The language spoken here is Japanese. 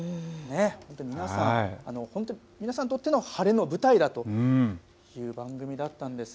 皆さん、本当に皆さんにとっての晴れの舞台だという番組だったんです。